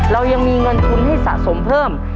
เรายังมีเงินทุนให้สะสมเพิ่ม